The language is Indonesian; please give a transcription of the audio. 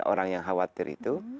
orang yang khawatir itu